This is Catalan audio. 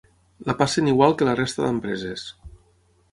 La passen igual que la resta d’empreses.